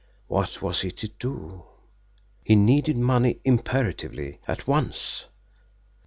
What was he to do? He needed money imperatively at once.